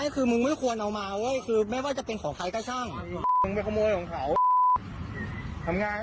อ๋อคุณผู้ชมได้ยินนะ